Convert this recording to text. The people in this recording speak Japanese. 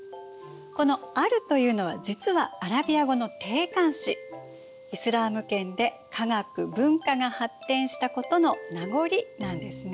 このアルというのは実はアラビア語の定冠詞イスラーム圏で科学文化が発展したことの名残なんですね。